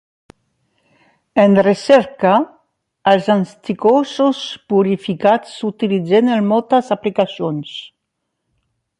En recerca, els anticossos purificats s'utilitzen en moltes aplicacions.